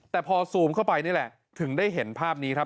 แต่พอซูมเข้าไปนี่แหละถึงได้เห็นภาพนี้ครับ